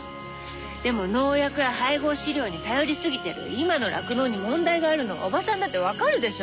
でも農薬や配合飼料に頼りすぎてる今の酪農に問題があるのはおばさんだって分かるでしょ。